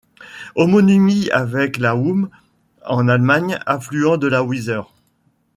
Homonymie avec la Wümme en Allemagne, affluent de la Weser.